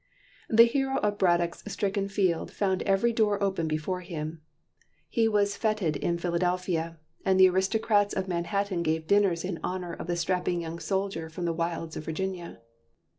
The hero of Braddock's stricken field found every door open before him. He was fêted in Philadelphia, and the aristocrats of Manhattan gave dinners in honour of the strapping young soldier from the wilds of Virginia.